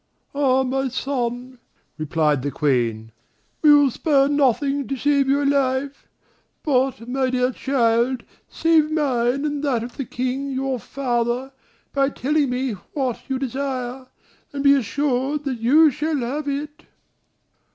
"Ah! my son," replied the Queen, "we will spare nothing to save your life. But, my dear child, save mine and that of the King your father by telling me what you desire, and be assured that you shall have it."